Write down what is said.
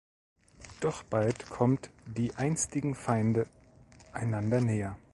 Doch bald kommt die einstigen Feinde einander näher.